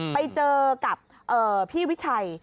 ไปเจอกับพี่วิชัย